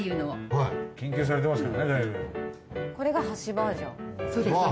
はい。